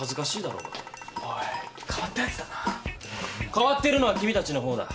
変わってるのは君たちのほうだ。